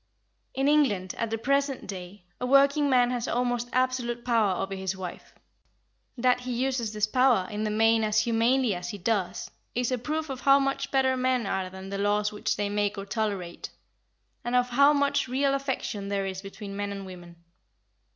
In England, at the present day, a working man has almost absolute power over his wife. That he uses this power in the main as humanely as he does, is a proof of how much better men are than the laws which they make or tolerate, and of how much real affection there is between men and women.